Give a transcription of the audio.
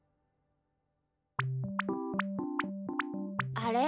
あれ？